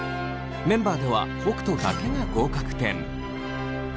メンバーでは北斗だけが合格点。